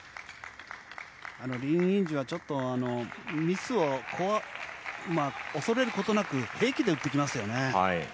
リン・インジュはミスを恐れることなく平気で打ってきますよね。